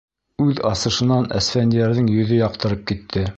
Үҙ асышынан Әсфәндиәрҙең йөҙө яҡтырып китте.